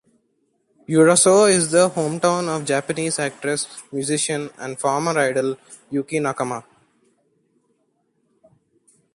Urasoe is the hometown of Japanese actress, musician and former idol Yukie Nakama.